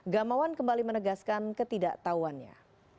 gamawan kembali menegaskan ketidaktahuannya